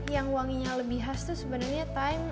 yang wanginya lebih khas itu sebenarnya time